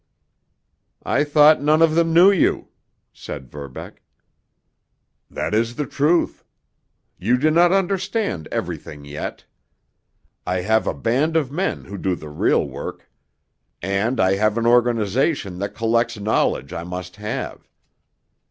"I thought none of them knew you," said Verbeck. "That is the truth. You do not understand everything yet. I have a band of men who do the real work. And I have an organization that collects knowledge I must have.